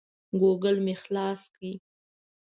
ګوګل مې خلاص کړ.